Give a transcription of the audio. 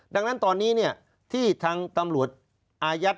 ดังนั้นตอนนี้ที่ทางตำรวจอายัด